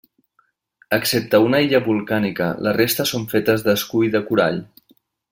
Excepte una illa volcànica la resta són fetes d'escull de corall.